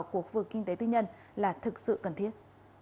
của khu vực kinh tế tư nhân là thực sự cần thiết